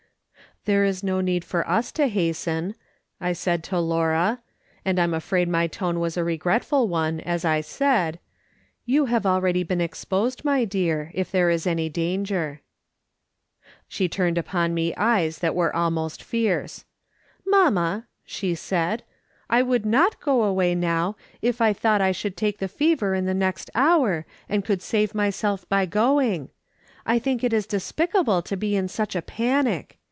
"There is no need for us to hasten," I said to Laura — and I'm afraid my tone was a regretful one as I Faid —" you have already been exposed, my dear, if there is any danger." She turned upon me eyes that were almost fierce :" Mamma," she said, " I would not go away now if I thought I should take the fever in the next hour, and could save myself by going. I think it is despicable to be in such a panic.